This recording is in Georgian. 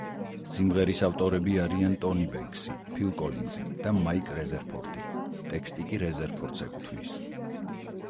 სიმღერის ავტორები არიან ტონი ბენქსი, ფილ კოლინზი და მაიკ რეზერფორდი, ტექსტი კი რეზერფორდს ეკუთვნის.